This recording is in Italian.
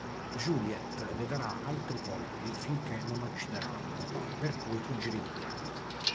Juliet le darà altri colpi finché non la uccideranno, per poi fuggire via.